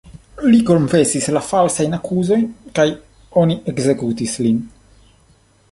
Li konfesis la falsajn akuzojn kaj oni ekzekutis lin.